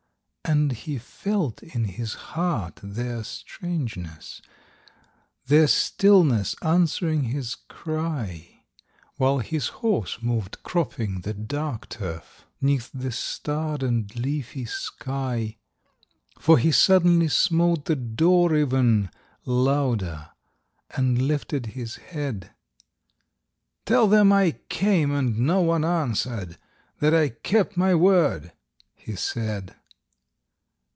And he felt in his heart their strangeness, Their stillness answering his cry, While his horse moved, cropping the dark turf, 'Neath the starred and leafy sky; For he suddenly smote the door, even Louder, and lifted his head: "Tell them I came, and no one answered, That I kept my word," he said.